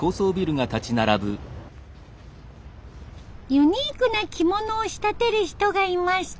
ユニークな着物を仕立てる人がいました。